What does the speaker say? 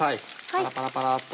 パラパラパラっと。